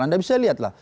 anda bisa lihat lah